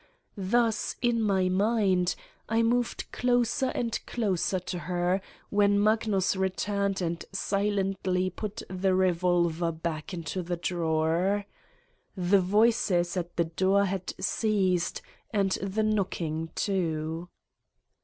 Thus, in my mind, I moved closer and closer to Her, when Magnus returned and 106 Satan's Diary silently put the revolver back into the drawer. The voices at the door had ceased and the knock ing, too.